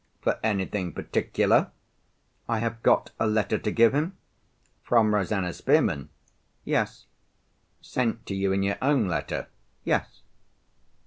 "For anything particular?" "I have got a letter to give him." "From Rosanna Spearman?" "Yes." "Sent to you in your own letter?" "Yes."